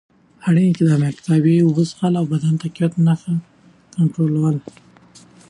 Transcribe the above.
اړین اقدامات: کافي اوبه څښل، د بدن تقویت، د نښو کنټرول.